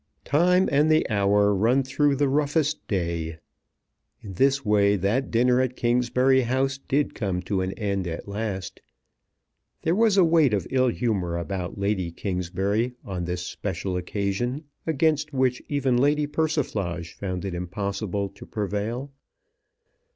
"Time and the hour run through the roughest day." In this way that dinner at Kingsbury House did come to an end at last. There was a weight of ill humour about Lady Kingsbury on this special occasion against which even Lady Persiflage found it impossible to prevail.